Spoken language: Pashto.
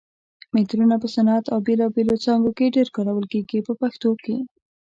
مترونه په صنعت او بېلابېلو څانګو کې ډېر کارول کېږي په پښتو کې.